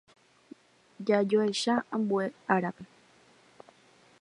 Jajoecha ambue árape.